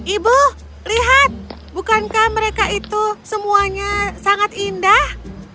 ibu lihat bukankah mereka itu semuanya sangat indah